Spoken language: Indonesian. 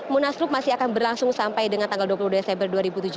munaslup masih akan berlangsung sampai dengan tanggal dua puluh desember dua ribu tujuh belas